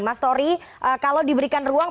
mas tori kalau diberikan ruang